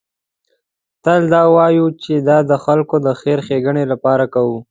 تل دا وایو چې دا د خلکو د خیر ښېګڼې لپاره کوو.